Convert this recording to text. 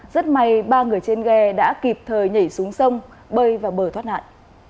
rất may ba người trên ghe đã kịp thời nhảy xuống sông bơi vào bờ thoát nạn